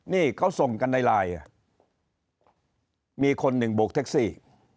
นี่เขาส่งกันในไลน์มีคนหนึ่งโบกแท็กซี่